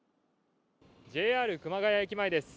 ＪＲ熊谷駅前です。